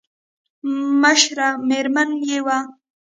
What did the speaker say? مشره مېرمن يې وه.